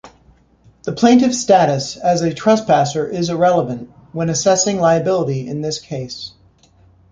The plaintiff's status as a trespasser is irrelevant when assessing liability in this case.